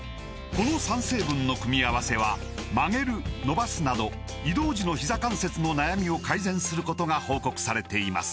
この３成分の組み合わせは曲げる伸ばすなど移動時のひざ関節の悩みを改善することが報告されています